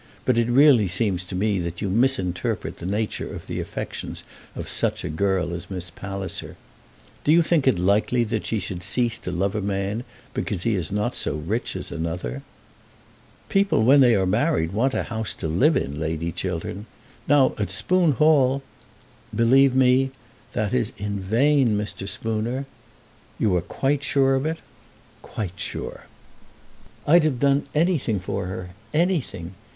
But it really seems to me that you misinterpret the nature of the affections of such a girl as Miss Palliser. Do you think it likely that she should cease to love a man because he is not so rich as another?" "People, when they are married, want a house to live in, Lady Chiltern. Now at Spoon Hall " "Believe me, that is in vain, Mr. Spooner." "You are quite sure of it?" "Quite sure." "I'd have done anything for her, anything!